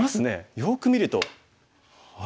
よく見るとあれ？